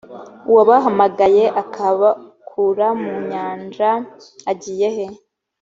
uwabahamagaye akabakura mu nyanja agiye he